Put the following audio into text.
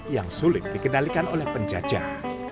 yang sulit dikendalikan oleh penjajah